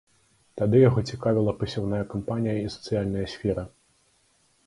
Тады яго цікавіла пасяўная кампанія і сацыяльная сфера.